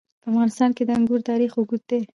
په افغانستان کې د انګور تاریخ اوږد دی.